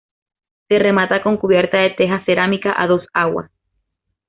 Se remata con cubierta de teja cerámica a dos aguas.